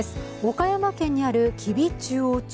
岡山県にある吉備中央町。